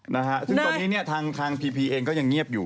ถึงตอนนี้เนี่ยทางเนี่ยเองทางพี่พี่เองทางก็ยังเงียบอยู่